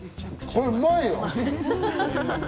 これ、うまいよ！